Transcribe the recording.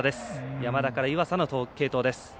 山田から岩佐の継投です。